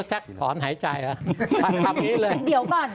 ดีฉันจะต้องถอนหายใจตั้งแต่พันแรกแล้วค่ะ